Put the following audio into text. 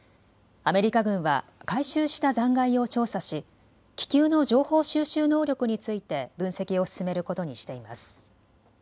アメリカ軍は回収した残骸を調査し、気球の情報収集能力について分析を進めることにしています。